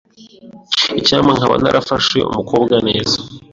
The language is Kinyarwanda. Icyampa nkaba narafashe umukobwa neza.